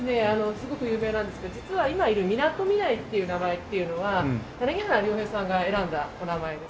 すごく有名なんですけど実は今いる「みなとみらい」っていう名前っていうのは柳原良平さんが選んだお名前です。